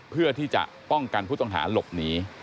เพื่อที่จะป้องกันผู้ต้องหาหลบหนี